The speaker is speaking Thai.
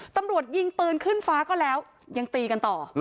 ตำรวจยิงปืนขึ้นฟ้าก็แล้วยังตีกันต่อ